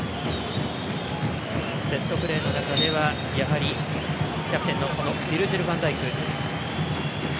セットプレーの中ではやはり、キャプテンのファンダイク。